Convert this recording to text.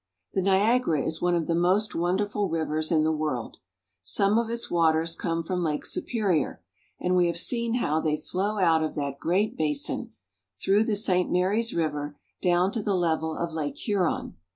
The Niagara is one of the most wonderful rivers in the world. Some of its waters come from Lake Superior, and we have seen how they flow out of that great basin, through the St. Marys River, down to the level of Lake Huron.